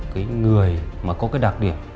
cái người mà có cái đặc điểm